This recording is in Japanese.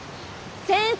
先生